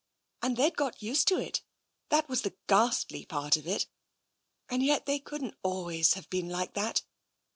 And they'd got used to it — that was the ghastly part of it — and yet they couldn't always have been like that.